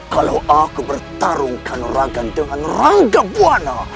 kalau aku bertarung kanuragan dengan rangga buwana